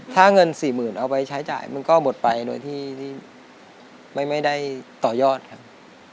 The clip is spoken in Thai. ถ้าเงินสี่หมื่นเอาไปใช้จ่ายมันก็หมดไปโดยที่ไม่ได้ต่อยอดครับ